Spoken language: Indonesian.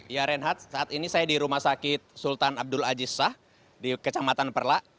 ya renhat saat ini saya di rumah sakit sultan abdul ajisah di kecamatan perla